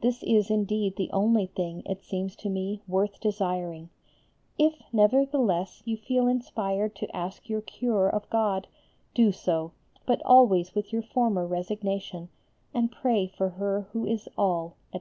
This is indeed the only thing, it seems to me, worth desiring. If, nevertheless, you feel inspired to ask your cure of God, do so, but always with your former resignation, and pray for her who is all, etc.